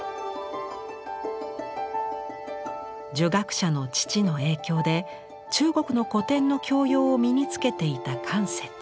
儒学者の父の影響で中国の古典の教養を身につけていた関雪。